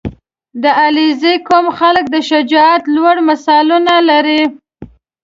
• د علیزي قوم خلک د شجاعت لوړ مثالونه لري.